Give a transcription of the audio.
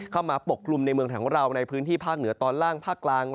ปกกลุ่มในเมืองของเราในพื้นที่ภาคเหนือตอนล่างภาคกลาง